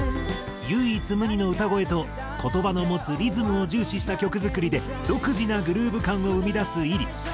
唯一無二の歌声と言葉の持つリズムを重視した曲作りで独自なグルーヴ感を生み出すｉｒｉ。